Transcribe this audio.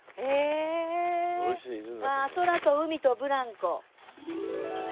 「空と海とブランコ」